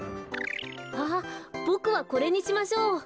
あっボクはこれにしましょう。